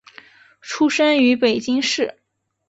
出生于北京市。